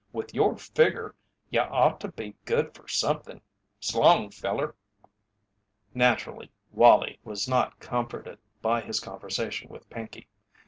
With your figger you ought to be good fer somethin'. S'long, feller!" Naturally, Wallie was not comforted by his conversation with Pinkey.